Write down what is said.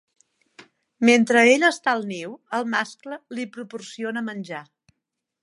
Mentre ella està al niu, el mascle li proporciona menjar.